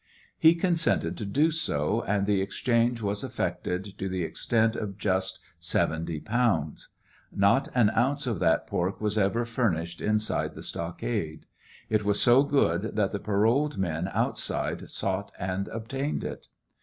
He consented to do so, and the exchange was effected to the extent of just 70 pounds. Not an ounce of that pork was ever furnished inside the stockade. It was so good that the paroled men outside sought and obtained it.